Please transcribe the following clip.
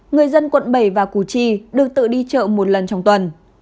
người dân quận bảy và củ chi được tự đi chợ một lần trong tuần